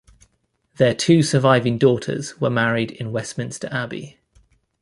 Their two surviving daughters were married in Westminster Abbey.